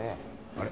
あれ？